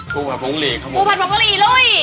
คุพัทหวยพงกะหรี่ครับผมคุพัทหวยพงกะหรี่ด้วย